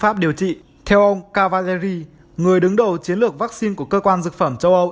pháp điều trị theo ông kavajiri người đứng đầu chiến lược vaccine của cơ quan dược phẩm châu âu